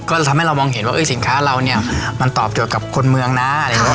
จะทำให้เรามองเห็นว่าสินค้าเราเนี่ยมันตอบโจทย์กับคนเมืองนะอะไรอย่างนี้